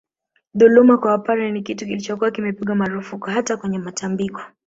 Dhuluma kwa Wapare ni kitu kilichokuwa kimepigwa marufuku hata kwenye matambiko